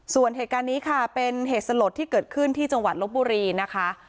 ส่วนเหตุการณ์นี้ค่ะเป็นเหตุสลดที่เกิดขึ้นที่จังหวัดลบบุรีนะคะ